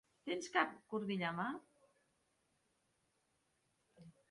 Tens cap cordill, a mà?